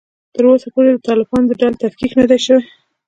تر اوسه پورې د طالبانو د ډلو تفکیک نه دی شوی